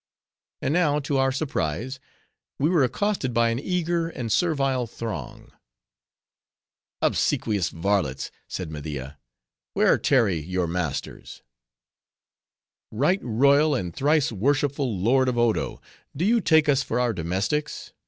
And now, to our surprise, we were accosted by an eager and servile throng. "Obsequious varlets," said Media, "where tarry your masters?" "Right royal, and thrice worshipful Lord of Odo, do you take us for our domestics?